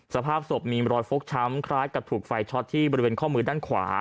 สภาพศพมีรอยฟกช้ำคล้ายกับถูกไฟช็อตที่บริเวณข้อมือด้านขวา